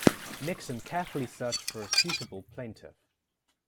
Nixon carefully searched for a suitable plaintiff.